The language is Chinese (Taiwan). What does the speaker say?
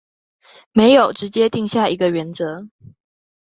沒有直接定下一個原則